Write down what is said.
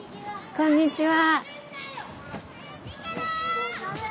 こんにちは。